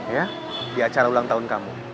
ya di acara ulang tahun kamu